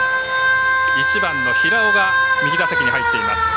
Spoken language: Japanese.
１番の平尾が右打席に入っています。